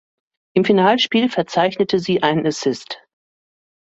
Im Finalspiel verzeichnete sie einen Assist.